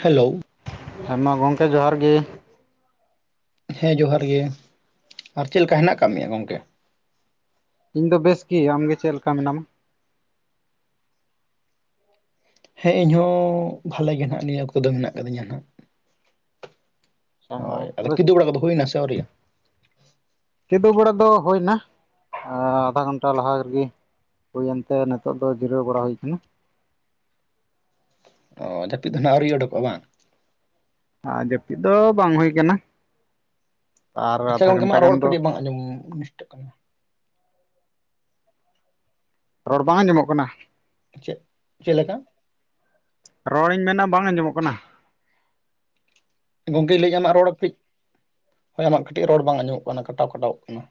Hello ᱦᱮᱸ ᱢᱟ ᱜᱚᱢᱠᱮ ᱡᱚᱦᱟᱨ ᱜᱮ ᱦᱮᱸ ᱡᱚᱦᱟᱨ ᱜᱮ ᱟᱨ ᱪᱮᱫ ᱞᱮᱠᱟ ᱦᱮᱱᱟᱜ ᱟᱠᱟᱫ ᱢᱮᱭᱟ ᱜᱚᱢᱠᱮ? ᱤᱧ ᱫᱚ ᱵᱮᱥ ᱜᱮ ᱾ ᱟᱢᱜᱮ ᱪᱮᱫ ᱞᱮᱠᱟ ᱢᱮᱱᱟᱢᱟ? ᱦᱮᱸ ᱤᱧᱦᱚᱸ ᱵᱷᱟᱞᱮ ᱜᱮ ᱱᱟᱦᱟᱜ ᱱᱤᱭᱟᱹ ᱚᱠᱛᱚ ᱫᱚ ᱢᱮᱱᱟᱜ ᱠᱟᱫᱤᱧᱟ ᱱᱟᱦᱟᱸᱜ ᱾ ᱦᱳ ᱟᱫᱚ ᱛᱚᱵᱮ ᱠᱤᱫᱩᱵ ᱵᱟᱲᱟ ᱠᱚ ᱫᱚ ᱦᱩᱭᱱᱟ ᱥᱮ ᱟᱹᱣᱨᱤᱭᱟᱜ ᱟ? ᱠᱮᱫᱩᱵ ᱵᱮᱲᱟ ᱫᱚ ᱦᱩᱭᱱᱟ ᱟᱫᱷᱟ ᱜᱷᱚᱱᱴᱟ ᱞᱟᱦᱟ ᱨᱮᱜᱮ ᱾ ᱦᱩᱭᱮᱱᱛᱮ ᱱᱤᱛᱚᱜ ᱫᱚ ᱡᱤᱨᱟᱹᱣ ᱵᱟᱲᱟ ᱦᱩᱭᱠᱟᱱᱟ ᱾ ᱚᱻ ᱡᱟᱹᱯᱤᱫ ᱫᱚ ᱱᱟᱜ ᱟᱹᱣᱨᱤ ᱩᱰᱩᱠᱚᱜᱼᱟ ᱵᱟᱝ? ᱟᱨ ᱡᱟᱹᱯᱤᱫ ᱫᱚ ᱵᱟᱝ ᱦᱩᱭ ᱠᱟᱱᱟ ᱾ ᱟᱨ ᱟᱫᱷᱟ ᱜᱷᱚᱱᱴᱟ ᱜᱟᱱ ᱫᱚ [unintelligible] ᱩᱱᱤᱥ ᱴᱟᱠᱟ ᱨᱮᱱᱟᱜ [unintelligible] ᱨᱚᱲ ᱵᱟᱝ ᱟᱸᱡᱚᱢᱚᱜ ᱠᱟᱱᱟ? ᱪᱮᱜ ᱪᱮᱫ ᱞᱮᱠᱟ? ᱨᱚᱲᱤᱧ ᱢᱮᱱᱟ ᱵᱟᱝ ᱟᱸᱡᱚ ᱢᱚᱜ ᱠᱟᱱᱟ ᱜᱚᱝᱠᱮ ᱞᱟᱹᱭ ᱟᱢᱟᱜ ᱨᱚᱲ ᱠᱟᱹᱡᱤᱡ ᱟᱢᱟᱜ ᱠᱟᱹᱴᱤᱡ ᱨᱚᱲ ᱵᱟᱝ ᱟᱸᱡᱚ ᱢᱚᱜ ᱠᱟᱱᱟ ᱠᱟᱴᱟᱣ ᱠᱟᱴᱟᱣ ᱚᱜ ᱠᱟᱱᱟ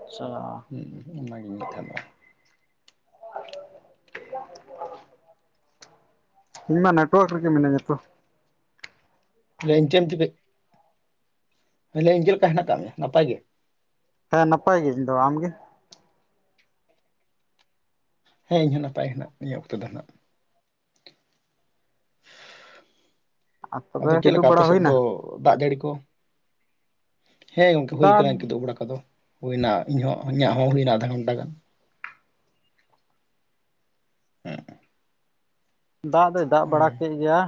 ᱟᱪᱪᱷᱟ ᱚᱱᱟᱜᱤᱧ ᱞᱟᱹᱭ ᱛᱟᱦᱮᱸ ᱟᱫᱚ [unintelligible] [inaudible] ᱤᱧ ᱢᱟ ᱱᱮᱴᱣᱟᱹᱠ ᱨᱮᱜᱮ ᱢᱤᱹᱱᱟᱹᱧᱟ ᱛᱚ᱾ ᱞᱟᱹᱭ ᱤᱧ ᱪᱮᱫ ᱮᱢ ᱪᱤᱠᱟᱹ ᱞᱟᱹᱭ ᱤᱧ ᱪᱮᱫ ᱞᱮᱠᱟ ᱦᱮᱱᱟᱜ ᱟᱠᱟᱫ ᱢᱮᱭᱟ ᱱᱟᱯᱟᱭ ᱜᱮ? ᱦᱮᱸ ᱱᱟᱯᱟᱭ ᱜᱮ ᱤᱧ ᱫᱚ᱾ ᱟᱢ ᱜᱮ? ᱦᱮ ᱤᱧ ᱦᱚᱸ ᱱᱟᱯᱟᱭ ᱦᱮᱱᱟᱜ ᱠᱟᱫᱤᱧᱟ ᱱᱤᱭᱟᱹ ᱚᱠᱛᱚ ᱫᱚ ᱱᱟ ᱦᱟᱜ᱾ ᱟᱨ ᱛᱚᱵᱮ ᱟᱫᱚ ᱪᱮᱫ ᱠᱤᱫᱩᱵ ᱞᱮᱠᱟ ᱟᱯᱮ ᱵᱟᱲᱟ ᱥᱮᱫ ᱦᱩᱭᱱᱟ ᱫᱚ ᱫᱟᱜ ᱡᱟᱹᱲᱤ ᱠᱚ ᱾ ᱦᱮᱸ ᱜᱚᱝᱠᱮ ᱦᱩᱭ ᱫᱟᱜ ᱠᱟᱱᱟ ᱠᱤᱫᱩᱵ ᱵᱟᱲᱟ ᱠᱚᱫᱚ ᱾ ᱦᱩᱭᱱᱟ ᱤᱧᱦᱚᱸ ᱤᱧᱟᱹᱜ ᱦᱚᱸ ᱦᱩᱭᱱᱟ ᱟᱫᱷᱟ ᱜᱷᱚᱱᱴᱟ ᱜᱟᱱ ᱾ ᱦᱮᱸ ᱫᱟᱜ ᱫᱚᱭ ᱫᱟᱜ ᱵᱟᱲᱟ ᱠᱮᱫ ᱜᱮᱭᱟ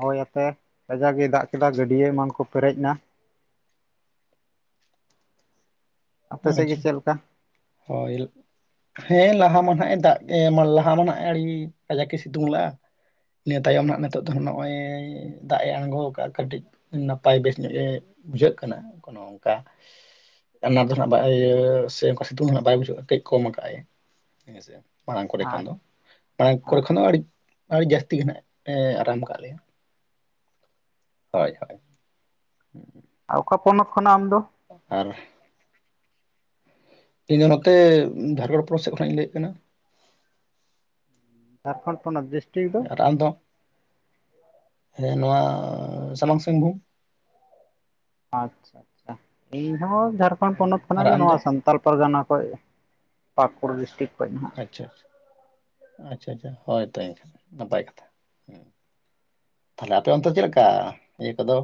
ᱦᱚᱳᱭ ᱟᱛᱮ ᱠᱟᱡᱟᱠ ᱮ ᱫᱟᱜ ᱠᱮᱫᱟ ᱜᱟᱹᱰᱭᱟᱹ ᱮᱢᱟᱱ ᱠᱚ ᱯᱮᱨᱮᱡ ᱮᱱᱟ ᱾ ᱟᱯᱮ ᱥᱮᱫ ᱜᱮ ᱟᱪᱪᱷᱟ ᱪᱮᱫ ᱞᱮᱠᱟ? ᱦᱳᱭ ᱦᱮᱸ ᱞᱟᱦᱟ ᱢᱟ ᱦᱟᱜ ᱮ ᱫᱟᱜ ᱠᱮᱫ ᱾ ᱞᱟᱦᱟ ᱢᱟ ᱟᱹᱰᱤ ᱠᱟᱡᱟᱠ ᱮ ᱥᱤᱛᱩᱝ ᱞᱟᱜᱼᱟ ᱱᱤᱭᱟᱹ ᱛᱟᱭᱚᱢ ᱱᱟᱜ ᱱᱤᱛᱚᱜ ᱫᱚ ᱱᱚᱜᱼᱚᱭ ᱫᱟᱜ ᱮ ᱟᱬᱜᱳ ᱠᱟᱜ ᱟ ᱾ ᱠᱟᱹᱴᱤᱡ ᱱᱟᱯᱟᱭ ᱵᱮᱥ ᱧᱚᱜ ᱵᱩᱡᱷᱟᱹᱜ ᱠᱟᱱᱟ ᱠᱚᱱᱳ ᱚᱱᱠᱟ [unintelligible] ᱵᱟᱭ ᱥᱮ ᱚᱱᱠᱟ ᱥᱤᱛᱩᱝ ᱫᱚ ᱵᱟᱭ ᱵᱩᱡᱷᱟᱹᱜᱼᱟ ᱠᱟᱹᱡ ᱠᱚᱢ ᱠᱟᱜᱼ ᱟᱭ ᱦᱮᱸᱥᱮ? ᱢᱟᱲᱟᱝ ᱠᱚᱨᱮ ᱠᱷᱚᱱ ᱟᱪᱪᱷᱟ ᱫᱚ, ᱢᱟᱲᱟᱝ ᱠᱚᱨᱮ ᱟᱪᱪᱷᱟ ᱠᱷᱚᱱ ᱫᱚ ᱟᱹᱰᱤ ᱟᱹᱰᱤ ᱡᱟᱹᱥᱛᱤ ᱜᱮ ᱱᱟᱦᱟᱜ ᱟᱨᱟᱢ ᱟᱠᱟᱫ ᱞᱮᱭᱟ ᱦᱳᱭ ᱦᱳᱭ [inaudible] ᱟᱨ ᱚᱠᱟ ᱯᱚᱱᱚᱛ ᱠᱷᱚᱱᱟᱜ ᱟᱢ ᱫᱚ? ᱟᱨ ᱤᱧ ᱫᱚ ᱱᱚᱛᱮ ᱵᱷᱟᱜᱚᱞ ᱯᱩᱨ ᱥᱮᱫ ᱠᱷᱚᱱᱟᱜ ᱤᱧ ᱞᱟᱹᱭᱮᱫ ᱛᱟᱦᱮᱱᱟ᱾ ᱡᱷᱟᱲᱠᱷᱚᱸᱰ ᱯᱚᱱᱚᱛ? ᱫᱚ ᱟᱨ ᱟᱢᱫᱚ? ᱦᱮᱸ ᱱᱚᱣᱟ ᱥᱟᱢᱟᱝ ᱥᱤᱝᱵᱷᱩᱢ᱾ ᱟᱪᱪᱷᱟ ᱟᱪᱪᱷᱟ ᱤᱧ ᱦᱚᱸ ᱡᱷᱟᱲᱠᱷᱚᱸᱰ ᱯᱚᱱᱚᱛ ᱟᱨ ᱠᱷᱚᱱᱟᱜ ᱜᱮ ᱟᱢ ᱱᱚᱣᱟ ᱫᱚ [unintelligible] ᱥᱟᱱᱛᱟᱞ ᱯᱟᱨᱜᱟᱱᱟ ᱠᱷᱚᱱ ᱯᱟᱠᱩᱲ ᱰᱤᱥᱴᱤᱠ ᱠᱷᱚᱱ ᱱᱟᱦᱟᱜ᱾ ᱟᱪᱪᱷᱟ ᱟᱪᱷᱟ ᱟᱪᱪᱷᱟ ᱟᱪᱪᱷᱟ ᱦᱳᱭ ᱛᱚ ᱮᱱᱠᱷᱟᱱ ᱱᱟᱯᱟᱭ ᱠᱟᱛᱷᱟ᱾ ᱛᱟᱦᱚᱞᱮ ᱟᱯᱮ ᱚᱱᱛᱮ ᱪᱮᱫ ᱞᱮᱠᱟ ᱤᱭᱟᱹ ᱠᱚ ᱫᱚ?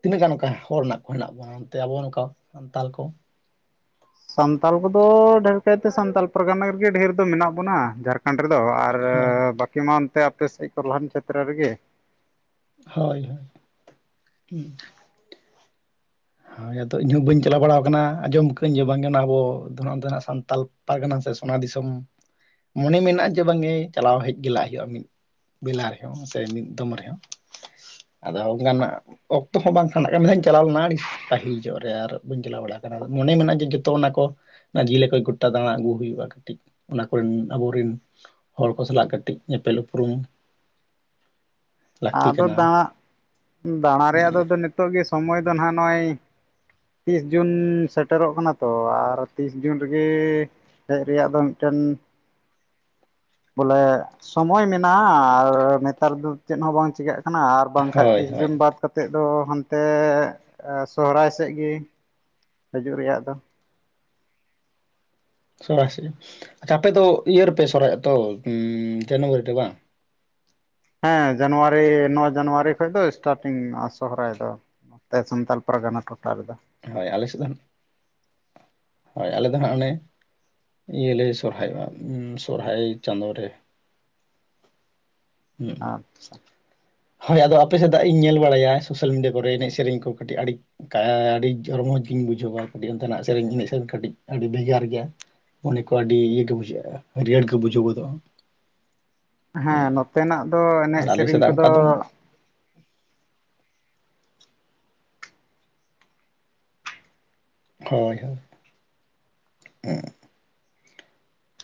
ᱛᱤᱱᱟᱹᱜ ᱜᱟᱱ ᱚᱱᱠᱟ ᱦᱚᱲ ᱢᱮᱱᱟᱜ ᱠᱚ ᱦᱮᱱᱟᱜ ᱵᱚᱱᱟ ᱚᱱᱛᱮ ᱟᱵᱚ ᱱᱚᱝᱠᱟ ᱥᱟᱱᱛᱟᱲ ᱠᱚ? ᱥᱟᱱᱛᱟᱲ ᱠᱚᱫᱚ ᱰᱷᱮᱨ ᱠᱟᱭᱛᱮ ᱥᱟᱱᱛᱟᱲ ᱯᱟᱨ ᱜᱟᱱᱟ ᱨᱮᱜᱮ ᱰᱷᱮᱨ ᱫᱚ ᱢᱮᱱᱟᱜ ᱵᱚᱱᱟ ᱡᱷᱟᱲ ᱠᱷᱟᱱᱰ ᱨᱮᱫᱚ ᱟᱨ ᱦᱳᱭ ᱵᱟᱹᱠᱤ ᱢᱟ ᱚᱱᱛᱮ ᱟᱯᱮ ᱥᱮᱫ ᱠᱚ ᱞᱟᱦᱟᱱ ᱪᱮᱛᱨᱮ ᱨᱮ ᱜᱮ᱾ ᱦᱳᱭ ᱦᱳᱭ ᱦᱳᱭ ᱤᱧ ᱦᱚᱸ ᱵᱟᱹᱧ ᱪᱟᱞᱟᱣ ᱵᱟᱲᱟᱣ ᱟᱠᱟᱱᱟ ᱟᱸᱡᱚᱢ ᱟᱠᱟᱫ ᱤᱧ ᱡᱮ ᱵᱟᱝ ᱜᱮ ᱚᱱᱟ ᱟᱵᱚ ᱫᱚ ᱱᱟᱜ ᱥᱟᱱᱛᱟᱞ ᱯᱟᱨᱜᱟᱱᱟ ᱥᱮ ᱥᱚᱱᱟ ᱫᱤᱥᱚᱢ ᱢᱚᱱᱮ ᱢᱮᱱᱟᱜᱼᱟ ᱡᱮ ᱵᱟᱝ ᱜᱮ ᱪᱟᱞᱟᱣ ᱦᱮᱡ ᱜᱮᱞᱟᱜ ᱦᱩᱭᱩᱜᱼᱟ, ᱢᱤᱫ ᱵᱮᱞᱟ ᱨᱮ ᱦᱚᱸ ᱥᱮ ᱢᱤᱫ ᱫᱚᱢ ᱨᱮ ᱦᱚᱸ᱾ ᱟᱫᱚ ᱚᱱᱠᱟ ᱱᱟᱜ ᱚᱠᱛᱚ ᱦᱚᱸ ᱵᱟᱝ ᱠᱷᱟᱱᱜ ᱢᱤᱫ ᱫᱷᱟᱣ ᱤᱧ ᱪᱟᱞᱟᱣ ᱞᱮᱱᱟ ᱟᱹᱰᱤ ᱥᱤ ᱯᱟᱹᱦᱤᱞ ᱡᱚᱜ ᱨᱮ ᱟᱨ ᱵᱟᱹᱧ ᱪᱟᱞᱟᱣ ᱵᱟᱲᱟ ᱟᱠᱟᱱᱟ ᱢᱚ ᱱᱮ ᱢᱮᱱᱟᱜᱼᱟ ᱡᱮ ᱡᱚᱛᱚ ᱚᱱᱟ ᱠᱚ ᱚᱱᱟ ᱞᱮᱠᱟ ᱜᱚᱴᱟ ᱫᱟᱬᱟ ᱟᱹᱜᱩ ᱦᱩᱭᱩᱜᱼᱟ ᱠᱟᱹᱴᱤᱡ ᱚᱱᱟ ᱠᱚ ᱨᱮᱱ ᱟᱵᱚ ᱨᱮᱱ ᱦᱚᱲ ᱠᱚ ᱥᱟᱞᱟᱜ ᱠᱟᱹᱴᱤᱡ ᱧᱮᱯᱮᱞ ᱩᱯᱨᱩᱢ ᱞᱟᱹᱠᱛᱤ ᱟᱫᱚ ᱠᱟᱱᱟ ᱫᱟᱬᱟ ᱫᱟᱬᱟ ᱨᱮᱭᱟᱜ ᱫᱚ ᱱᱤᱛᱚᱜ ᱜᱮ ᱥᱚᱢᱚᱭ ᱫᱚ ᱱᱟᱦᱟᱸᱜ ᱱᱚᱜᱼᱚᱭ ᱛᱤᱥ ᱡᱩᱱ ᱥᱮᱴᱮ ᱨᱚᱜ ᱠᱟᱱᱟ ᱛᱚ ᱟᱨ ᱛᱤᱥ ᱡᱩᱱ ᱨᱮᱜᱮ ᱦᱮᱡ ᱨᱮᱭᱟᱜ ᱫᱚ ᱢᱤᱫ ᱴᱮᱱ ᱵᱚᱞᱮ ᱥᱚᱢᱚᱭ ᱢᱮᱱᱟᱜᱼᱟ ᱟᱨ ᱱᱮ ᱛᱟᱨ ᱫᱚ ᱪᱮᱫ ᱦᱚᱸ ᱵᱟᱝ ᱪᱤᱠᱟᱹᱜ ᱠᱟᱱᱟ ᱟᱨ ᱵᱟᱝ ᱠᱷᱟᱡ ᱦᱳᱭ ᱛᱤᱥ ᱦᱳᱭ ᱡᱩᱱ ᱵᱟᱫ ᱠᱟᱛᱮ ᱛᱮᱛ ᱫᱚ ᱦᱟᱱᱛᱮ ᱥᱚᱦᱚᱨᱟᱭ ᱥᱮᱫ ᱜᱮ ᱦᱤᱡᱩᱜ ᱨᱮᱭᱟᱜ ᱫᱚ, ᱥᱚᱨᱦᱟᱭ ᱥᱮᱫ ᱟᱪᱪᱷᱟ ᱟᱯᱮ ᱤᱭᱟᱹ ᱨᱮ ᱯᱮ ᱥᱚᱨᱦᱟᱭᱚᱜ ᱛᱚ ᱡᱟᱱᱩᱣᱟᱨᱤ ᱨᱮ ᱵᱟᱝ? ᱦᱮᱸ ᱡᱟᱱᱩᱣᱟᱨᱤ ᱱᱚ ᱡᱟᱱᱩᱣᱟᱨᱤ ᱠᱷᱚᱡ ᱫᱚ ᱮᱥᱴᱟ ᱴᱤᱝ ᱥᱚᱦᱨᱟᱭ ᱫᱚ᱾ ᱱᱚ ᱛᱮ ᱥᱟᱱᱛᱟᱲ ᱯᱟᱨᱜᱟᱱᱟ ᱴᱚᱴᱷᱟ ᱨᱮ ᱫᱚ ᱦᱳᱭ ᱟᱞᱮ ᱥᱮᱫ ᱫᱚ ᱱᱟᱜ ᱦᱳᱭ ᱟᱞᱮ ᱫᱚ ᱦᱟᱸᱜ ᱚᱱᱮ ᱤᱭᱟᱹ ᱞᱮ ᱥᱚᱨᱦᱟᱭᱚᱜᱼᱟ ᱥᱚᱨᱦᱟᱭ ᱪᱟᱸᱫᱳ ᱨᱮ᱾ [inaudible] ᱟᱪᱪᱷᱟ ᱦᱳᱭ ᱟᱫᱚ ᱟᱯᱮ ᱥᱮᱫᱟᱜ ᱤᱧ ᱧᱮᱞ ᱵᱟᱲᱟᱭᱟ ᱥᱳᱥᱟᱞ ᱢᱤᱰᱤᱭᱟ ᱠᱚᱨᱮ ᱮᱱᱮᱡ ᱥᱮᱨᱮᱧ ᱠᱚ ᱠᱟᱹᱴᱤᱡ ᱟᱹᱰᱤ? ᱟᱹᱰᱤ ᱨᱚᱢᱚᱡᱽ ᱜᱤᱧ ᱵᱩ ᱡᱷᱟᱹᱣᱟ ᱠᱟᱹᱴ ᱚᱱᱛᱮ ᱱᱟᱜ ᱥᱮᱨᱮᱧ ᱮᱱᱮᱡ ᱥᱮᱨᱮᱧ ᱠᱟᱹᱴᱤᱡ ᱟᱹᱰᱤ ᱵᱷᱮᱜᱟᱨ ᱜᱮᱭᱟ᱾ ᱢᱚᱱᱮ ᱠᱚ ᱟᱹᱰᱤ ᱤᱭᱟᱹ ᱜᱮ ᱵᱩᱡᱷᱟᱹᱜᱼᱟ ᱦᱟᱹᱨᱭᱟᱹᱲ ᱜᱮ ᱵᱩᱡᱷᱟᱹᱣ ᱜᱚᱫᱚᱜᱼᱟ ᱦᱮᱸ ᱱᱚᱛᱮ ᱱᱟᱜ ᱫᱚ ᱟᱨ ᱮᱱᱮᱡ ᱟᱞᱮ ᱥᱮᱨᱮᱧ ᱠᱚ ᱥᱮᱫᱟᱜ ᱚᱱᱠᱟ ᱫᱚ? ᱦᱚᱭ ᱦᱚᱭ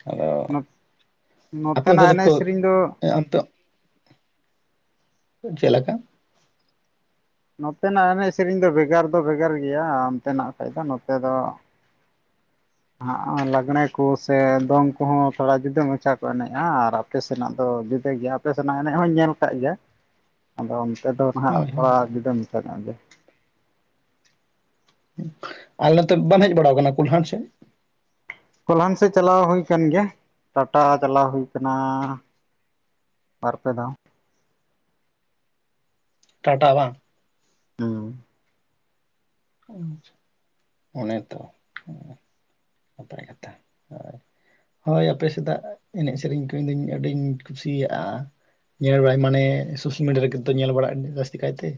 ᱟᱫᱚ ᱟᱯᱮ ᱚᱱᱛᱮ ᱱᱚᱛᱮᱱᱟᱜ ᱫᱚ ᱮᱱᱮᱡ ᱠᱚ ᱥᱮᱨᱮᱧ ᱫᱚ ᱪᱮᱞᱮᱠᱟ ᱱᱚᱛᱮ ᱱᱟᱜ ᱮᱱᱮᱡ ᱥᱮᱨᱮᱧ ᱫᱚ ᱵᱷᱮᱜᱟᱨ ᱫᱚ ᱵᱷᱮᱜᱟᱨ ᱜᱮᱭᱟ ᱚᱱᱛᱮ ᱱᱟᱜ ᱠᱷᱟᱡ ᱫᱚ ᱱᱚᱛᱮ ᱫᱚ [inaudible] ᱦᱚᱸᱜ ᱚᱸ ᱞᱟᱜᱽᱬᱮ ᱠᱚ ᱥᱮ ᱫᱚᱝ ᱠᱚᱦᱚᱸ ᱛᱷᱚᱲᱟ ᱡᱩᱫᱟᱹ ᱢᱟᱪᱷᱟ ᱠᱚ ᱮᱱᱮᱡᱼᱟ ᱟᱨ ᱟᱯ ᱟᱯᱮ ᱥᱮᱱᱟᱜ ᱫᱚ ᱡᱩᱫᱟᱹ ᱜᱮᱭᱟ, ᱟᱯᱮ ᱥᱮᱱᱟᱜ ᱮᱱᱮᱡ ᱦᱚᱧ ᱧᱮᱞ ᱟᱠᱟᱫ ᱜᱮᱭᱟ᱾ [inaudible] ᱟᱫᱚ ᱚᱱᱛᱮ ᱫᱚ ᱱᱟᱦᱟᱸᱜ ᱦᱳᱭ ᱦᱳᱭ ᱛᱷᱚᱲᱟ ᱡᱩᱫᱟᱹ ᱢᱮᱛᱟᱹ ᱧᱚᱜ ᱜᱮ᱾ ᱟᱞ ᱱᱚᱛᱮ ᱵᱟᱢ ᱦᱮᱡ ᱵᱟᱲᱟ ᱟᱠᱟᱱᱟ ᱠᱩᱞᱦᱟᱸᱴ ᱥᱮᱫ? ᱠᱚᱞᱦᱟᱱ ᱥᱮᱫ ᱪᱟᱞᱟᱣ ᱦᱩᱭ ᱟᱠᱟᱱ ᱜᱮᱭᱟ ᱴᱟᱴᱟ ᱪᱟᱞᱟᱣ ᱦᱩᱭ ᱠᱟᱱᱟ᱾ ᱵᱟᱨᱯᱮ ᱫᱷᱟᱣ ᱴᱟᱴᱟ ᱵᱟᱝ ᱦᱩᱸ ᱚᱱᱮ ᱛᱚ ᱱᱟᱯᱟᱭ ᱠᱟᱛᱷᱟ ᱦᱳᱭ ᱟᱯᱮ ᱥᱮᱫᱟᱜ ᱮᱱᱮᱡ ᱥᱮᱨᱮᱧ ᱠᱚ ᱤᱧ ᱫᱚ ᱟᱹᱰᱤᱧ ᱠᱩᱥᱤᱭᱟᱜᱼᱟ᱾ ᱧᱮᱞ ᱵᱟᱲᱟᱭ ᱢᱟᱱᱮ ᱥᱳᱥᱟᱞ ᱢᱤᱰᱤᱭᱟ ᱨᱮ ᱜᱮ ᱛᱚ ᱧᱮᱞ ᱵᱟᱲᱟᱜ ᱡᱟᱹᱥᱛᱤ ᱠᱟᱭ ᱛᱮ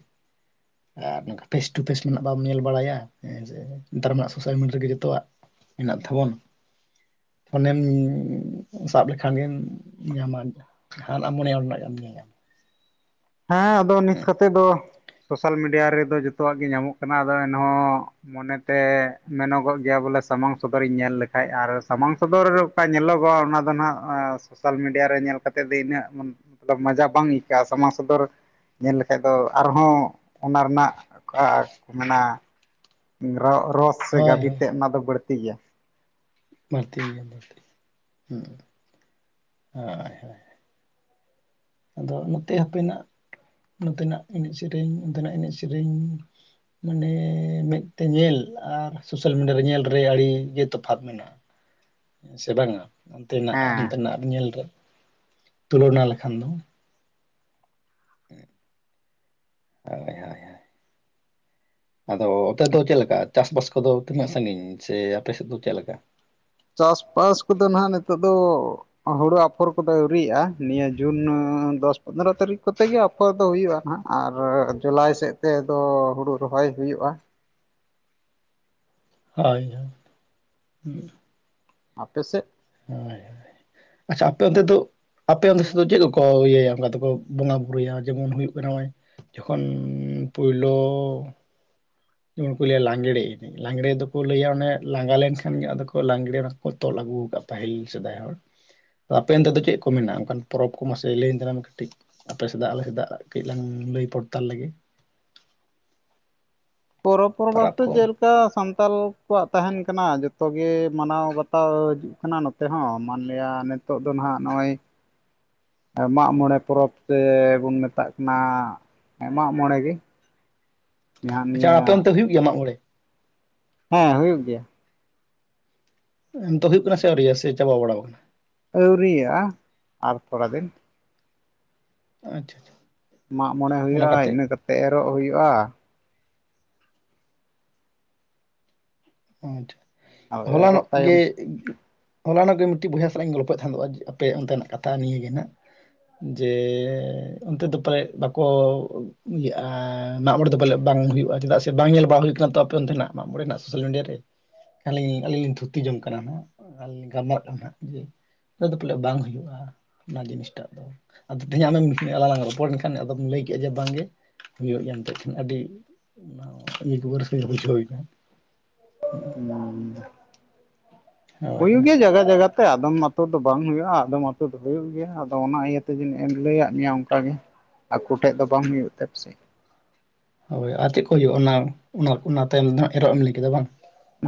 ᱟᱨ ᱱᱚᱝᱠᱟ ᱯᱷᱮᱥ ᱴᱩ ᱯᱷᱮᱥ ᱱᱟᱜᱼᱟ᱾ ᱵᱟᱢ ᱧᱮᱞ ᱵᱟᱲᱟᱭᱟ ᱦᱮᱸ ᱡᱮ ᱱᱮᱛᱟᱨ ᱢᱟᱱᱟᱜ ᱥᱳᱥᱟᱞ ᱢᱤᱰᱤᱭᱟ ᱨᱮ ᱜᱮ ᱡᱚᱛᱚᱣᱟᱜ ᱢᱮᱱᱟᱜ ᱛᱟᱵᱚᱱ ᱯᱷᱚᱱᱮᱢ ᱥᱟᱵ ᱞᱮᱠᱷᱟᱱ ᱜᱮᱢ ᱧᱟᱢᱟ᱾ ᱡᱟᱦᱟ ᱱᱟᱜ ᱢᱚᱱᱮ ᱭᱟ ᱟᱸᱰᱮᱱᱟᱜ ᱮᱢ ᱧᱮᱞ-ᱟ ᱦᱮᱸ ᱟᱫᱚ ᱱᱤᱛ ᱠᱟᱛᱮᱫ ᱫᱚ ᱥᱳᱥᱟᱞ ᱢᱤᱰᱤᱭᱟ ᱨᱮ ᱫᱚ ᱡᱚᱛᱚᱣᱟᱜ ᱜᱮ ᱧᱟᱢᱚᱜ ᱠᱟᱱᱟ ᱟᱫᱚ ᱮᱱ ᱦᱚᱸ ᱢᱚᱱᱮᱛᱮ ᱢᱮᱱᱚᱜᱚᱜ ᱜᱮᱭᱟ ᱵᱚᱞᱮ ᱥᱟᱢᱟᱝ ᱥᱚᱫᱚᱨ ᱤᱧ ᱧᱮᱞ ᱞᱮᱠᱷᱟᱡ ᱟᱨ ᱥᱟᱢᱟᱝ ᱥᱚᱫᱚᱨ [unintelligible] ᱧᱮᱞᱚᱜᱚᱜᱼᱟ ᱚᱱᱟ ᱫᱚ ᱦᱟᱸᱜ ᱥᱳᱥᱟᱞ ᱢᱤᱰᱤᱭᱟ ᱨᱮ ᱧᱮᱞ ᱠᱟᱛᱮ ᱫᱚ ᱤᱱᱟᱹᱜ ᱢᱟᱱ ᱟᱫᱚ ᱢᱟᱡᱟ ᱵᱟᱝ ᱟᱹᱭᱠᱟᱹᱜᱼᱟ ᱥᱟᱢᱟᱥ ᱥᱚᱫᱚᱨ ᱧᱮᱞ ᱞᱮᱠᱷᱟᱡ ᱫᱚ ᱟᱨ ᱦᱚᱸ ᱚᱱᱟ ᱨᱮᱱᱟᱜ ᱠᱚ ᱢᱮᱱᱟ ᱨᱚ ᱨᱚᱥ ᱥᱮ ᱦᱳᱭ ᱜᱟᱹᱵᱤ ᱛᱮᱫ ᱚᱱᱟ ᱫᱚ ᱵᱟᱹᱲᱛᱤ ᱜᱮᱭᱟ᱾ ᱵᱟᱹᱲ ᱛᱤ ᱜᱮᱭᱟ ᱵᱟᱹᱲᱛᱤ ᱜᱮᱭᱟ ᱦᱳᱭ ᱦᱳᱭ ᱟᱫᱚ ᱱᱚᱛᱮ ᱦᱟᱯᱮᱱᱟᱜ ᱱᱚᱛᱮᱱᱟᱜ ᱮᱱᱮᱡ ᱥᱮᱨᱮᱧ ᱱᱚᱱᱚᱛᱱᱟᱜ ᱮᱱᱮᱡ ᱥᱮᱨᱮᱧ᱾ ᱢᱟᱱᱮ ᱢᱮᱫ ᱛᱮ ᱧᱮᱞ ᱟᱨ ᱥᱳᱥᱟᱞ ᱢᱤᱰᱤᱭᱟ ᱨᱮ ᱧᱮᱞ ᱨᱮ ᱟᱹᱰᱤᱜᱮ ᱛᱚᱯᱷᱟᱛ ᱢᱮᱱᱟᱜᱼᱟ᱾ ᱦᱮᱸ ᱥᱮ ᱵᱟᱝᱟ ᱚᱱᱛᱮᱱᱟᱜ ᱟᱨ ᱦᱮᱸ ᱱᱚᱱ ᱛᱮᱱᱟᱜ ᱟᱨ ᱧᱮᱞ ᱨᱮ ᱛᱩᱞᱚᱱᱟ ᱞᱮ ᱠᱷᱟᱱ ᱫᱚ ᱦᱳᱭ ᱦᱳᱭ ᱦᱳᱭ ᱟᱫᱚ ᱟᱯᱮ ᱫᱚ ᱪᱮᱫ ᱞᱮᱠᱟ ᱪᱟᱥ ᱵᱟᱥ ᱠᱚ ᱫᱚ ᱛᱤᱱᱟᱹᱜ ᱥᱟᱹᱜᱤᱧ ᱥᱮ ᱟᱯᱮ ᱥᱮᱫ ᱫᱚ ᱪᱮᱫ ᱞᱮᱠᱟ? ᱪᱟᱥ ᱵᱟᱥ ᱠᱚ ᱫᱚ ᱱᱟᱦᱟᱜ ᱱᱤᱛᱚᱜ ᱫᱚ ᱦᱩᱲᱩ ᱟᱯᱷᱚᱨ ᱠᱚᱫᱚ ᱟᱹᱣᱨᱤᱭᱜᱼᱟ᱾ ᱱᱤᱭᱟᱹ ᱡᱩᱱ ᱫᱚᱥ ᱯᱚᱱᱫᱽᱨᱚ ᱛᱟᱹᱨᱤᱠᱷ ᱠᱚᱛᱮ ᱜᱮ ᱚᱠᱷᱚᱨ ᱫᱚ ᱦᱩᱭᱩᱜᱼᱟ ᱱᱟᱦᱟᱜ ᱟᱨ ᱡᱩᱞᱟᱭ ᱥᱮᱫ ᱛᱮ ᱫᱚ ᱦᱩᱲᱩ ᱨᱚᱦᱚᱭ ᱦᱩᱭᱩᱜᱼᱟ ᱦᱳᱭ ᱦᱳᱭ ᱟᱯᱮ ᱥᱮ ᱦᱳᱭ ᱟᱪᱪᱷᱟ ᱟᱯᱮ ᱚᱱᱛᱮ ᱫᱚ ᱟᱯᱮ ᱚᱱᱛᱮ ᱥᱮᱫ ᱫᱚ ᱪᱮᱫ ᱠᱚᱠᱚ ᱤᱭᱟᱹᱭᱟ ᱚᱱᱠᱟ ᱛᱮ ᱠᱚ ᱵᱚᱸᱜᱟ ᱵᱩᱨᱩᱭᱟ ᱡᱮᱢᱚᱱ ᱦᱩᱭᱩᱜ ᱠᱟᱱᱟ ᱱᱚᱜᱼᱚᱭ ᱡᱚᱠᱷᱚᱱ ᱯᱳᱭᱞᱳ ᱩᱱᱠᱩ ᱡᱟ ᱞᱟᱝᱜᱽᱲᱮ ᱮᱱᱮᱡ ᱞᱟᱝᱜᱽᱲᱮ ᱫᱚᱠᱚ ᱞᱟᱹᱭᱟ ᱚᱱᱮ ᱞᱟᱸᱜᱟ ᱞᱮᱱᱠᱷᱟᱱ ᱜᱮ ᱟᱫᱚ ᱠᱚ ᱞᱟᱝᱜᱽᱲᱮ ᱠᱚ ᱛᱚᱞ ᱟᱹᱜᱩ ᱠᱟᱜᱼᱟ ᱯᱟᱹᱦᱤᱞ ᱥᱮᱫᱟᱭ ᱦᱚᱲ᱾ ᱟᱯᱮ ᱚᱱᱛᱮ ᱫᱚ ᱪᱮᱫ ᱠᱚ ᱢᱮᱱᱟᱜᱼᱟ ᱚᱱᱠᱟᱱ ᱯᱚᱨᱚᱵ ᱠᱚ ᱢᱟᱥᱮ ᱞᱟᱹᱭᱤᱧ ᱛᱟᱞᱟᱝ ᱢᱮ ᱠᱟᱹᱴᱤᱡ ᱟᱯᱮᱥᱮᱫᱟᱜ ᱟᱞᱮᱥᱮᱫᱟᱜ ᱠᱟᱹᱡ ᱞᱟᱝ ᱞᱟᱹᱭ ᱯᱚᱲᱛᱟᱞ ᱞᱮᱜᱮ ᱯᱚᱨᱚᱵ ᱯᱚᱨᱚᱵ ᱯᱚᱨᱚᱵᱽ ᱵᱟᱥᱛᱮ ᱠᱚ ᱡᱮᱞ [unintelligible] ᱥᱟᱱᱛᱟᱞ ᱠᱚᱣᱟᱜ ᱛᱟᱦᱮᱱ ᱠᱟᱱᱟ ᱡᱚᱛᱚ ᱜᱮ ᱢᱟᱱᱟᱣ ᱵᱟᱛᱟᱣ ᱦᱤᱡᱩᱜ ᱠᱟᱱᱟ ᱱᱚᱛ ᱛᱮᱦᱚᱸ ᱢᱟᱱᱞᱤᱭᱟ ᱱᱤᱛᱚᱜ ᱫᱚ ᱱᱟᱦᱟᱜ ᱱᱚᱜᱼᱚᱭ ᱢᱟᱜ ᱢᱚᱬᱮ ᱯᱚᱨᱚᱵᱽ ᱛᱮᱵᱚᱱ ᱢᱮᱛᱟᱜ ᱠᱟᱱᱟ ᱢᱟᱜ ᱢᱚᱬᱮ ᱜᱮ᱾ ᱱᱟᱦᱟᱜ ᱟᱪᱷᱟ ᱱᱤᱭᱟᱹ ᱟᱯᱮ ᱚᱱᱛᱮ ᱦᱩᱭᱩᱜ ᱜᱮᱭᱟ ᱢᱟᱜ ᱢᱚᱬᱮ? ᱦᱮᱸ ᱦᱩᱭᱩᱜ ᱜᱮᱭᱟ ᱱᱤᱛᱳᱜ ᱦᱩᱭᱩᱜ ᱠᱟᱱᱟ ᱥᱮ ᱟᱹᱣᱨᱤᱭᱟᱹ ᱥᱮ ᱪᱟᱵᱟ ᱵᱟᱲᱟ ᱟᱠᱟᱱᱟ᱾ ᱟᱹᱣᱨᱤᱭᱟᱜ-ᱟ ᱟᱨ ᱛᱷᱚᱲᱟ ᱫᱤᱱ, ᱟᱪᱪᱷᱟ ᱟᱪᱪᱷᱟ ᱢᱟᱜ ᱢᱚᱬᱮ ᱚᱱᱟ ᱦᱩᱭᱩᱜᱼᱟ, ᱠᱟᱛᱮ ᱤᱱᱟᱹ ᱠᱟᱛᱮᱫ ᱮᱨᱚᱜ ᱦᱩᱭᱩᱜᱼᱟ᱾ ᱟᱪᱪᱷᱟ ᱟᱨ ᱦᱚᱞᱟᱱᱚᱜ ᱮᱨᱚᱜ ᱜᱮ ᱛᱟᱭᱚᱢ ᱦᱚᱞᱟᱱᱚᱜ ᱜᱮ ᱢᱤᱫᱴᱤᱡ ᱵᱚᱭᱦᱟ ᱥᱟᱞᱟᱜ ᱤᱧ ᱜᱚᱞᱯᱚᱭᱮᱫ ᱛᱟᱦᱮᱸᱫᱚᱜ-ᱟ ᱟᱯᱮ ᱚᱱᱛᱮᱱᱟᱜ ᱠᱟᱛᱷᱟ ᱱᱤᱭᱟᱹ ᱜᱮ ᱱᱷᱟᱜ᱾ ᱡᱮᱻ ᱚᱱᱛᱮ ᱫᱚ ᱯᱟᱞᱮᱫ ᱵᱟᱠᱚ ᱤᱭᱟᱹᱜᱼᱟ ᱢᱟᱜ ᱢᱚᱬᱮ ᱫᱚ ᱯᱟᱞᱮ ᱵᱟᱝ ᱦᱩᱭᱩᱜᱼᱟ ᱪᱮᱫᱟᱜ ᱥᱮ ᱵᱟᱝ ᱧᱮᱞ ᱵᱟᱲᱟ ᱦᱩᱭ ᱠᱟᱱᱟ ᱛᱚ ᱟᱯᱮ ᱚᱱᱛᱮᱱᱟᱜ ᱢᱟᱜ ᱢᱚᱬᱮ ᱨᱮᱱᱟᱜ ᱥᱳᱥᱟᱞ ᱢᱤᱰᱤᱭᱟ ᱨᱮ ᱠᱷᱟᱹᱞᱤ ᱟᱹᱞᱤᱧ ᱞᱤᱧ ᱛᱷᱩᱛᱤ ᱡᱚᱝ ᱠᱟᱱᱟ ᱦᱟᱸᱜ ᱟᱨ ᱞᱤᱧ ᱜᱟᱞᱢᱟᱨᱟᱜ ᱠᱟᱱᱟ ᱦᱟᱸᱜ ᱡᱮ ᱱᱚᱛᱮ ᱫᱚ ᱯᱟᱞᱮᱫ ᱵᱟᱝ ᱦᱩᱭᱩᱜᱼᱟ ᱚᱱᱟ ᱡᱤᱱᱤᱥ ᱴᱟᱜ ᱫᱚ ᱟᱫᱚ ᱛᱮᱦᱮᱧ ᱟᱢᱮᱢ ᱟᱞᱟᱝ ᱞᱟᱝ ᱨᱚᱯᱚᱲᱮᱱᱟ ᱠᱷᱟᱱ ᱟᱫᱚᱢ ᱞᱟᱹᱭ ᱠᱮᱜᱼᱟ ᱡᱮ ᱵᱟᱝᱜᱮ ᱦᱩᱭᱩᱜ ᱜᱮᱭᱟ ᱮᱱᱛᱮᱫ ᱟᱹᱰᱤ [unintelligible] ᱵᱩᱡᱷᱟᱹᱣ ᱮᱫᱟ ᱦᱩᱸ ᱦᱳᱭ ᱦᱩᱭ ᱦᱳᱭ ᱜᱮ ᱡᱟᱜᱟ ᱡᱟᱜᱟ ᱛᱮ ᱟᱫᱚᱢ ᱟᱹᱛᱩ ᱫᱚ ᱵᱟᱝ ᱦᱩᱭᱩᱜᱼᱟ ᱟᱫᱚᱢ ᱟᱹᱛᱩ ᱫᱚ ᱦᱩᱭᱩᱜ ᱜᱮᱭᱟ ᱟᱫᱚ ᱚᱱᱟ ᱤᱭᱟᱹ ᱛᱮᱜᱤᱧ ᱮᱱ ᱞᱟᱹᱭᱟᱫ ᱢᱮᱭᱟ ᱚᱱ ᱜᱚᱴᱟᱜᱮ ᱟᱠᱚ ᱴᱮᱡ ᱫᱚ ᱵᱟᱝ ᱦᱩᱭᱩᱜ ᱛᱮ ᱯᱟᱥᱮᱡ ᱦᱳᱭ ᱟᱨ ᱪᱮᱫ ᱠᱚ ᱦᱩᱭᱩᱜᱼᱟ ᱚᱱᱟ ᱚᱱᱟ ᱛᱟᱭᱚᱢ ᱫᱚ ᱦᱟᱜ ᱮᱨᱚᱜ ᱮᱢ ᱞᱟᱹᱭ ᱠᱮᱫᱟ ᱵᱟᱝ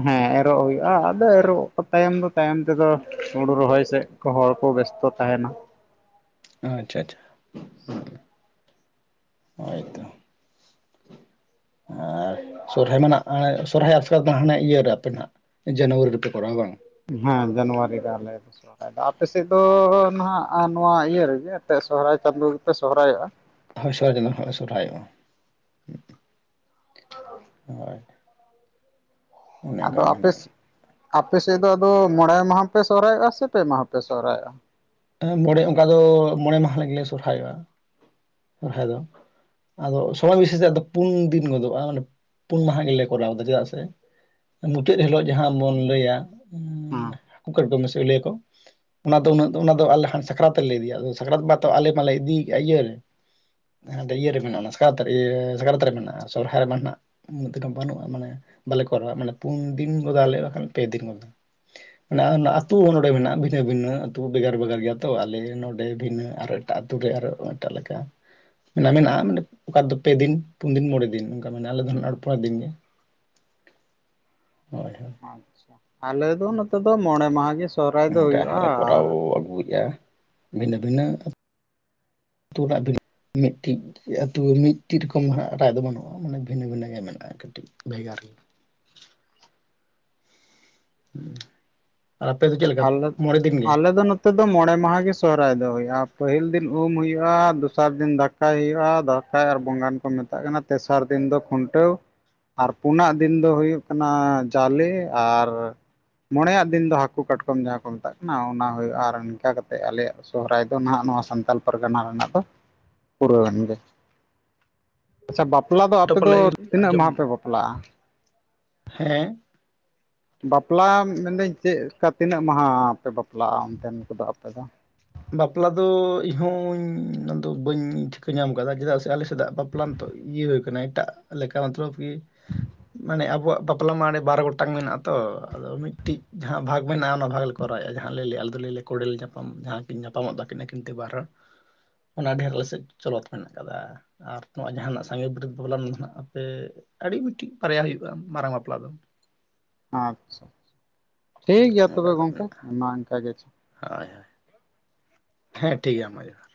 ᱦᱮᱸ ᱮᱨᱚᱜ ᱦᱩᱭᱩᱜᱼᱟ ᱟᱫᱚ ᱮᱨᱚᱜ ᱛᱟᱭᱚᱢ ᱫᱚ ᱛᱟᱭᱚᱢ ᱛᱮᱫᱚ ᱦᱩᱲᱩ ᱨᱚᱦᱚᱭ ᱥᱮᱫ ᱠᱚ ᱦᱚᱲ ᱠᱚ ᱵᱮᱥᱛᱚ ᱛᱟᱦᱮᱱᱟ ᱟᱪᱪᱷᱟ ᱟᱪᱪᱷᱟ ᱦᱳᱭᱛᱚ, ᱟᱨ ᱥᱚᱨᱦᱟᱭ ᱢᱟᱱᱟᱜ ᱥᱚᱨᱦᱟᱭ [unintelligible] ᱦᱟᱱᱟ ᱤᱭᱟᱹᱨᱮ ᱟᱯᱮ ᱱᱟᱜ ᱡᱟᱱᱩᱣᱟᱨᱤ ᱨᱮᱯᱮ ᱠᱚᱨᱟᱣᱟ ᱵᱟᱝ ᱦᱮᱸ ᱡᱟᱱᱣᱟᱨᱤ ᱨᱮ ᱟᱞᱮ ᱟᱯᱮ ᱥᱮᱫ ᱫᱚ ᱱᱟᱦᱟᱜ ᱱᱚᱣᱟ ᱤᱭᱟᱹ ᱨᱮᱜᱮ ᱟᱯᱮ ᱥᱚᱦᱨᱟᱭ ᱪᱟᱸᱫᱚ ᱜᱮᱯᱮ ᱥᱚᱦᱚᱨᱟᱭᱚᱜᱼᱟ᱾ ᱦᱳᱭ [unintelligible] ᱥᱚᱨᱚᱦᱟᱭᱚᱜᱼᱟ᱾ ᱦᱚᱭ ᱟᱫᱚ ᱟᱯᱮᱥ ᱟᱯᱮ ᱥᱮᱫ ᱫᱚ ᱟᱫᱚ ᱢᱚᱬᱮ ᱢᱟᱦᱟ ᱯᱮ ᱥᱚᱦᱨᱟᱭᱚᱜᱼᱟ ᱥᱮ ᱯᱮ ᱢᱟᱦᱟ ᱯᱮ ᱥᱚᱦᱨᱟᱭᱚᱜᱼᱟ? ᱢᱚᱬᱮ ᱚᱱᱠᱟ ᱫᱚ ᱢᱚᱬᱮ ᱢᱟᱦᱟ ᱞᱟᱹᱜᱤᱫᱞᱮ ᱥᱚᱨᱦᱟᱭᱚᱜᱼᱟ ᱥᱚᱨᱦᱟᱭ ᱫᱚ ᱟᱫᱚ ᱥᱚᱢᱚᱭ ᱵᱤᱥᱮᱥ ᱛᱮ ᱟᱫᱚ ᱯᱩᱱ ᱫᱤᱱ ᱜᱚᱫᱚᱜᱼᱟ ᱢᱟᱱᱮ ᱯᱩᱱ ᱢᱟᱦᱟ ᱜᱮᱞᱮ ᱠᱚᱨᱟᱣ ᱮᱫᱟ ᱪᱮᱫᱟᱜ ᱥᱮ ᱢᱩᱪᱟᱹᱫ ᱦᱤᱞᱳᱜ ᱡᱟᱦᱟᱸ ᱵᱚᱱ ᱞᱟᱹᱭᱟ ᱦᱩᱸ ᱦᱟᱹᱠᱩ ᱠᱟᱴᱠᱚᱢ ᱜᱮᱥᱮ ᱞᱟᱹᱭᱟ ᱠᱚ ᱚᱱᱟ ᱫᱚ ᱩᱱᱟᱹᱜ ᱚᱱᱟᱫᱚ ᱟᱞᱮ ᱠᱷᱟᱱ ᱥᱟᱠᱨᱟᱛ ᱨᱮᱞᱮ ᱤᱫᱤᱭᱟ ᱟᱫᱚ ᱥᱟᱠᱨᱟᱛ ᱵᱟᱛᱚ ᱟᱞᱮ ᱢᱟᱞᱮ ᱤᱫᱤᱭ ᱠᱟᱜᱼᱟ ᱤᱭᱟᱹᱨᱮ ᱦᱮᱸ ᱤᱭᱟᱹᱨᱮ ᱢᱮᱱᱟᱜᱼᱟ ᱥᱟᱠᱨᱟᱛ ᱤᱭᱟᱹ ᱥᱟᱠᱨᱟᱛ ᱨᱮ ᱢᱮᱱᱟᱜᱼᱟ ᱥᱚᱨᱚᱦᱟᱭ ᱢᱟ ᱱᱷᱟᱜ ᱩᱱᱟᱹᱜ ᱛᱮ ᱵᱟᱹᱱᱩᱜᱼᱟ ᱢᱟᱱᱮ ᱵᱟᱞᱮ ᱠᱚᱨᱟᱣᱟ ᱢᱟᱱᱮ ᱯᱩᱱ ᱫᱤᱱ ᱜᱚᱫ ᱟᱞᱮ ᱵᱟᱠᱷᱟᱱ ᱯᱮ ᱫᱤᱱ ᱜᱚᱫ ᱟᱹᱛᱩ ᱦᱚᱸ ᱱᱚᱰᱮ ᱢᱮᱱᱟᱜᱼᱟ ᱵᱷᱤᱱᱟᱹ ᱵᱷᱤᱱᱟᱹ ᱟᱹᱛᱩ ᱵᱷᱮᱜᱟᱨ ᱵᱷᱮᱜᱟᱨ ᱜᱮᱭᱟ ᱛᱚ ᱟᱞᱮ ᱱᱚᱸᱰᱮ ᱵᱷᱤᱱᱟᱹ ᱟᱨᱚ ᱮᱴᱟᱜ ᱟᱹᱛᱩ ᱨᱮ ᱟᱨᱚ ᱮᱴᱟᱜ ᱞᱮᱠᱟ ᱢᱮᱱᱟᱜᱼᱟ ᱢᱮᱱᱟᱜᱼᱟ ᱢᱟᱱᱮ ᱚᱠᱟ ᱫᱚ ᱯᱮ ᱫᱤᱱ ᱯᱩᱱ ᱫᱤᱱ ᱢᱚᱬᱮ ᱫᱤᱱ ᱚᱱᱠᱟ ᱢᱮᱱᱟᱜᱼᱟ ᱟᱞᱮ ᱫᱚ ᱯᱚᱨᱮᱨ ᱫᱤᱱ ᱜᱮ ᱦᱳᱭ ᱦᱳᱭ ᱟᱪᱪᱷᱟ, ᱟᱞᱮ ᱫᱚ ᱱᱚᱛᱮ ᱫᱚ ᱢᱚᱬᱮ ᱢᱟᱦᱟ ᱜᱮ ᱥᱚᱦᱨᱟᱭ ᱫᱚ ᱚᱱᱠᱟ ᱦᱩᱭᱩᱜᱼᱟ ᱱᱷᱟᱜ ᱞᱮ ᱠᱚᱨᱟᱣ ᱟᱨ ᱟᱹᱜᱩᱭᱮᱫᱼᱟ ᱵᱷᱤᱱᱟᱹ ᱵᱷᱤᱱᱟᱹ [unintelligible] ᱢᱤᱫᱴᱤᱡ ᱟᱹᱛᱩ ᱢᱤᱫᱴᱤᱡ ᱨᱚᱠᱚᱢ ᱦᱟᱜ ᱮᱴᱟᱜ ᱫᱚ ᱵᱟᱹᱱᱩᱜᱼᱟ ᱢᱟᱱᱮ ᱵᱷᱤᱱᱟᱹ ᱵᱷᱤᱱᱟᱹ ᱜᱮ ᱢᱮᱱᱟᱜᱼᱟ ᱠᱟᱹᱴᱤᱡ ᱵᱷᱮᱜᱟᱨ ᱜᱮ ᱦᱮᱸ ᱟᱨ ᱟᱯᱮ ᱫᱚ ᱪᱮᱫ ᱞᱮᱠᱟ ᱢᱚᱬᱮ ᱫᱤᱱ ᱜᱮ ᱱᱚᱛᱮᱫ ᱫᱚ ᱢᱚᱬᱮ ᱢᱟᱦᱟ ᱜᱮ ᱥᱚᱦᱨᱟᱭ ᱫᱚ ᱦᱩᱭᱩᱜᱼᱟ ᱯᱟᱹᱦᱤᱞ ᱫᱤᱱ ᱩᱢ ᱦᱩᱭᱩᱜᱼᱟ ᱫᱚᱥᱟᱨ ᱫᱤᱱ ᱫᱟᱠᱟ ᱫᱟᱠᱟ ᱦᱩᱭᱩᱜᱼᱟ ᱫᱟᱥᱟᱭ ᱟᱨ ᱵᱚᱸᱜᱟᱱ ᱠᱚ ᱢᱮᱛᱟᱜ ᱠᱟᱱᱟ ᱛᱮᱥᱟᱨ ᱫᱤᱱ ᱫᱚ ᱠᱷᱩᱱᱴᱟᱹᱣ ᱟᱨ ᱯᱩᱱᱟᱜ ᱫᱤᱱ ᱫᱚ ᱦᱩᱭᱩᱜ ᱠᱟᱱᱟ ᱡᱟᱞᱮ ᱟᱨ ᱢᱬᱮᱭᱟᱜ ᱫᱤᱱ ᱫᱚ ᱦᱟᱹᱠᱩ ᱠᱟᱴᱠᱚᱢ ᱡᱟᱦᱟᱸ ᱠᱚ ᱢᱮᱛᱟᱜ ᱠᱟᱱᱟ ᱚᱱᱟ ᱦᱩᱭᱩᱜᱼᱟ ᱟᱨ ᱤᱱᱠᱟᱹ ᱠᱟᱛᱮ ᱟᱞᱮᱭᱟᱜ ᱥᱚᱦᱨᱟᱭ ᱫᱚ ᱱᱟᱦᱟᱜ ᱱᱚᱣᱟ ᱥᱟᱱᱛᱟᱲ ᱯᱟᱨᱜᱟᱱᱟ ᱨᱮᱱᱟᱜ ᱫᱚ ᱯᱩᱨᱟᱹᱣᱮᱱ ᱜᱮ ᱟᱪᱪᱷᱟ ᱵᱟᱯᱞᱟ ᱫᱚ ᱟᱯᱮ ᱫᱚ ᱯᱟᱞᱮ ᱛᱤᱱᱟᱹᱜ ᱟᱸᱡᱚᱢ ᱢᱟᱦᱟ ᱯᱮ ᱵᱟᱯᱞᱟᱜᱼᱟ ᱦᱮᱸ ᱵᱟᱯᱞᱟ ᱢᱮᱱᱫᱟᱹᱧ ᱪᱮᱫ ᱞᱮᱠᱟ ᱛᱤᱱᱟᱹᱜ ᱢᱟᱦᱟ ᱯᱮ ᱵᱟᱯᱞᱟᱜᱼᱟ ᱚᱱᱛᱮᱱ ᱠᱚᱫᱚ ᱟᱯᱮ ᱫᱚ ᱵᱟᱯᱞᱟ ᱫᱚ ᱤᱧᱦᱚᱧ ᱩᱱᱟᱜ ᱫᱚ ᱵᱟᱹᱧ ᱴᱷᱤᱠᱟᱹ ᱧᱟᱢ ᱠᱟᱫᱟ ᱪᱮᱫᱟᱜ ᱥᱮ ᱟᱞᱮ ᱥᱮᱫᱟᱜ ᱵᱟᱯ ᱩᱯᱟᱨᱟᱱᱛᱚ ᱤᱭᱟᱹ ᱠᱟᱱᱟ ᱮᱴᱟᱜ ᱞᱮᱠᱟ ᱢᱟᱛᱞᱟᱵ ᱠᱤ ᱢᱟᱱᱮ ᱟᱵᱚᱣᱟᱜ ᱵᱟᱯᱞᱟ ᱢᱟ ᱚᱸᱰᱮ ᱵᱟᱨ ᱜᱚᱴᱟᱝ ᱢᱮᱱᱟᱜᱼᱟ ᱛᱚ ᱟᱫᱚ ᱢᱤᱫᱴᱤᱡ ᱡᱟᱦᱟᱸ ᱵᱷᱟᱜᱽ ᱢᱮᱱᱟᱜᱼᱟ ᱚᱱᱟ ᱵᱷᱟᱜᱽ ᱞᱮᱠᱟ ᱠᱚᱨᱟᱣᱮᱫᱮᱜᱼᱟ ᱡᱟᱦᱟᱸ ᱞᱮᱹᱭᱟᱹᱼᱟ ᱟᱞᱮ ᱫᱚ ᱞᱟᱹᱭᱟ ᱠᱚᱰᱮᱞ ᱧᱟᱯᱟᱢ ᱡᱟᱦᱟᱸ ᱠᱤᱱ ᱧᱟᱯᱟᱢᱚᱜ-ᱟ ᱟᱹᱠᱤᱱ ᱟᱹᱠᱤᱱᱟ ᱵᱟᱨ ᱦᱚᱲ ᱚᱱᱟ ᱰᱷᱮᱨ ᱟᱞᱮ ᱥᱮᱫ ᱪᱚᱞᱚᱛ ᱢᱮᱱᱟᱜ ᱠᱟᱫᱟ ᱟᱨ ᱱᱚᱣᱟ ᱡᱟᱦᱟᱱᱟᱜ ᱥᱟᱸᱜᱮ ᱵᱟᱹᱨᱤᱭᱟᱹᱛ ᱵᱟᱯᱞᱟ ᱢᱮᱱᱟᱜ-ᱟ ᱥᱮ ᱟᱹᱰᱤ ᱢᱤᱫᱴᱤᱡ ᱵᱟᱨᱭᱟ ᱦᱩᱭᱩᱜᱼᱟ ᱢᱟᱨᱟᱝ ᱵᱟᱯᱞᱟ ᱫᱚ ᱟᱪᱪᱷᱟ ᱴᱷᱤᱠ ᱜᱮᱭᱟ ᱚᱱᱠᱟ ᱛᱚᱵᱮ ᱫᱚ ᱜᱚᱝᱠᱮ ᱢᱮᱱᱟᱜᱼᱟ ᱢᱟ ᱤᱱᱠᱟ ᱜᱮ ᱟᱪᱪᱷᱟ ᱦᱳᱭ ᱦᱳᱭ ᱦᱮᱸ ᱴᱷᱤᱠ ᱜᱮᱭᱟ ᱢᱟ ᱡᱚᱦᱟᱨ